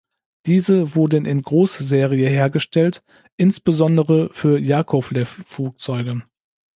Diese wurden in Großserie hergestellt, insbesondere für Jakowlew-Flugzeuge.